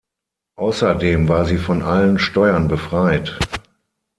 Außerdem war sie von allen Steuern befreit.